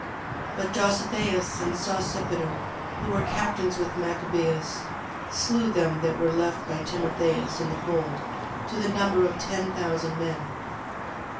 But Dositheus, and Sosipater, who were captains with Machabeus, slew them that were left by Timotheus in the hold, to the number of ten thousand men.